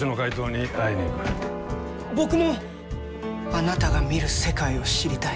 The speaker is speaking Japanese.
僕もあなたが見る世界を知りたい。